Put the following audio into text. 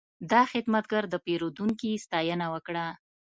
دا خدمتګر د پیرودونکي ستاینه وکړه.